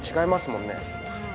もんね